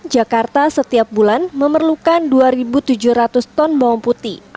jakarta setiap bulan memerlukan dua tujuh ratus ton bawang putih